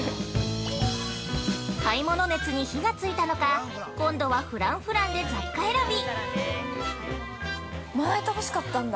◆買い物熱に火がついたのか今度はフランフランで雑貨選び！